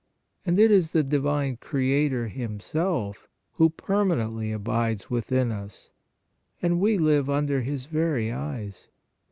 And it is the Divine Creator Himself, who permanently abides within us, and we live under His very eyes.